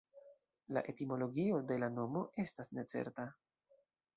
La etimologio de la nomo estas necerta.